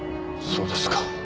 そうですか。